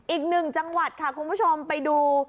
อีกหนึ่งจังหวัดค่ะคุณผู้ชมไปดู